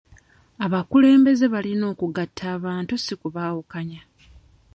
Abakulembeze balina okugatta abantu si kubaawukanya.